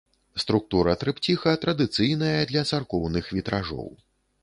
Структура трыпціха традыцыйная для царкоўных вітражоў.